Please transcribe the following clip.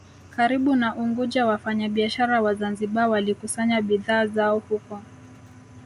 karibu na Unguja Wafanyabiashara wa Zanzibar walikusanya bidhaa zao huko